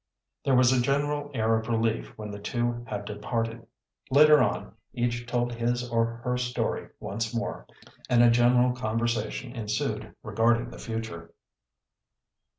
There was a general air of relief when the two had departed. Later on each told his or her story once more, and a general conversation ensued regarding the future.